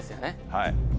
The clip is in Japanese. はい。